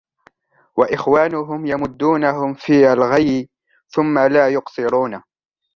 وَإِخْوَانُهُمْ يَمُدُّونَهُمْ فِي الْغَيِّ ثُمَّ لَا يُقْصِرُونَ